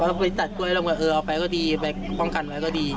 พอไปตัดกล้วยเอาไปก็ดีไปป้องกันไว้ก็ดี